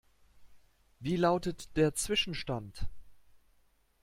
Wie lautet der Zwischenstand?